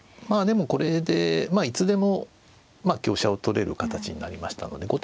まあでもこれでいつでも香車を取れる形になりましたので。